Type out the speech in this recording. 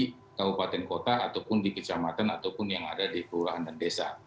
di kabupaten kota ataupun di kecamatan ataupun yang ada di kelurahan dan desa